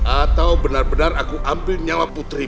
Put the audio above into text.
atau benar benar aku ambil nyawa putri